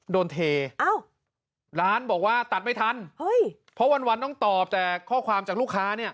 โดนเทร้านบอกว่าตัดไม่ทันเพราะวันต้องตอบแต่ข้อความจากลูกค้าเนี่ย